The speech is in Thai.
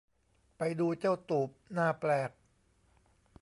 ไปดูเจ้าตูบหน้าแปลก